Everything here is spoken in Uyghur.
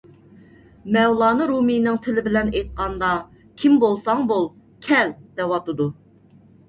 مەۋلانا رۇمىينىڭ تىلى بىلەن ئېيتقاندا، كىم بولساڭ بول، كەل، دەۋاتىدۇ.